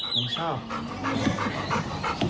หนึ่งโชค